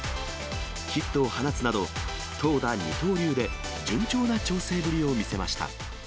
ヒットを放つなど、投打二刀流で順調な調整ぶりを見せました。